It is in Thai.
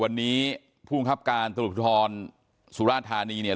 วันนี้ผู้ครับการตรธรรมสุราชธารณี